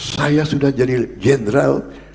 saya sudah jadi general